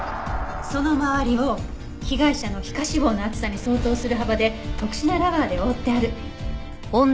その周りを被害者の皮下脂肪の厚さに相当する幅で特殊なラバーで覆ってある。